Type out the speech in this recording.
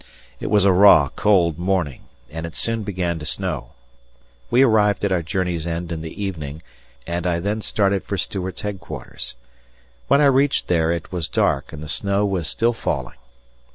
It was a raw, cold morning, and it soon began to snow. We arrived at our journey's end in the evening, and I then started for Stuart's headquarters. When I reached there it was dark, and the snow was still falling.